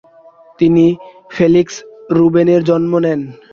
তিনি ফেলিক্স রুবেনের জন্ম দেন।